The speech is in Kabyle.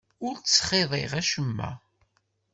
Ur ttxiḍiɣ acemma.